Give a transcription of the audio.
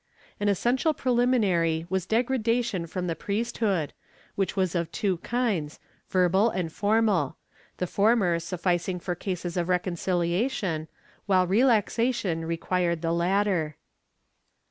An essential preliminary was degradation from the priesthood, which was of two kinds, verbal and formal — the former sufficing for cases of reconciliation, while relaxation required the latter.